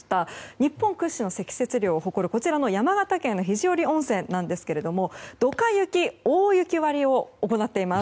日本屈指の積雪量を誇る山形県の肘折温泉ですがドカ雪・大雪割を行っています。